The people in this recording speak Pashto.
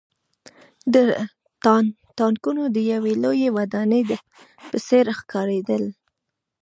دا ټانکونه د یوې لویې ودانۍ په څېر ښکارېدل